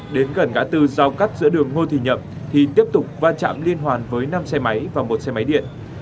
đến gần ngã tư giao cắt giữa đường ngô thị nhậm thì tiếp tục va chạm liên hoàn với năm xe máy và một xe máy điện